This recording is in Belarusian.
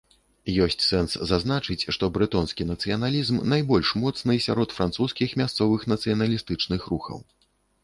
Ёсць сэнс зазначыць, што брэтонскі нацыяналізм найбольш моцны сярод французскіх мясцовых нацыяналістычных рухаў.